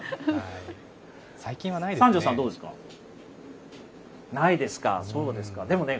最近はないですね。